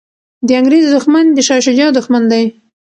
د انګریز دښمن د شاه شجاع دښمن دی.